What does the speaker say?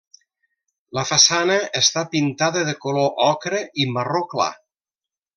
La façana està pintada de color ocre i marró clar.